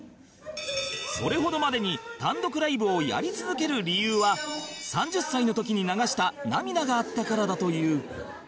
それほどまでに単独ライブをやり続ける理由は３０歳の時に流した涙があったからだという